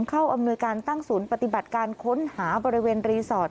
อำนวยการตั้งศูนย์ปฏิบัติการค้นหาบริเวณรีสอร์ท